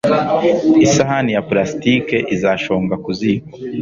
Isahani ya pulasitike izashonga ku ziko.